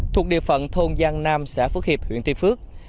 thuộc địa phận thôn giang nam xã phước hiệp huyện tuy phước